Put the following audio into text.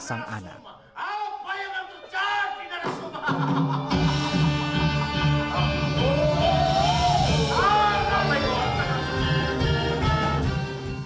bayangan tercari narasoma